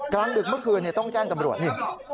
ดึกเมื่อคืนต้องแจ้งตำรวจนี่